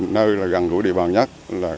nơi là gần gũi địa bàn nhất